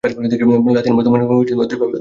লাতিন বর্তমানে দুইভাবে বেঁচে আছে।